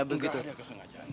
enggak ada kesengajaan